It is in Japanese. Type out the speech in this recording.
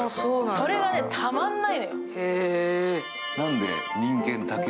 それがたまんないのよ。